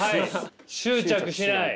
執着しない。